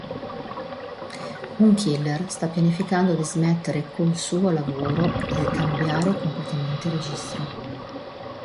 Un killer sta pianificando di smettere col suo lavoro e cambiare completamente registro.